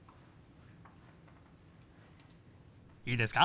いいですか？